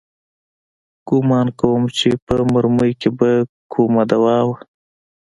ګومان کوم چې په مرمۍ کښې به کومه دوا وه.